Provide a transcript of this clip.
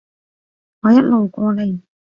我一路過嚟